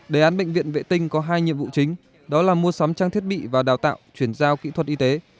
đề án bệnh viện vệ tinh có hai nhiệm vụ chính đó là mua sắm trang thiết bị và đào tạo chuyển giao kỹ thuật y tế